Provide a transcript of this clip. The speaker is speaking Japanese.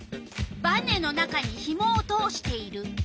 バネの中にひもを通している。